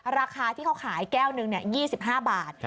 ราคาที่เขาขายแก้วหนึ่ง๒๕บาท